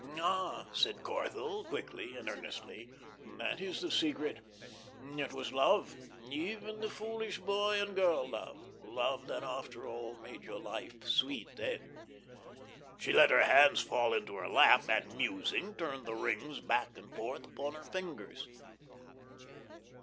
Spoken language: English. "Ah," said Corthell, quickly and earnestly, "that is the secret. It was love even the foolish boy and girl love love that after all made your life sweet then." She let her hands fall into her lap, and, musing, turned the rings back and forth upon her fingers.